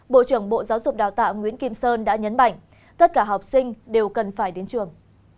bộ trưởng bộ giáo dục đào tạo nguyễn kim sơn đã nhấn mạnh tất cả học sinh đều cần phải đến trường